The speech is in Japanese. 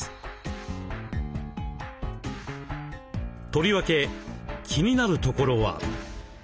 とりわけ気になるところは。